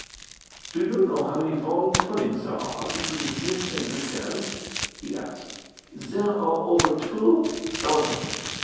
"Do you know how many wrong turnings there are between this and the stairs?" he asked. "There are over two thousand.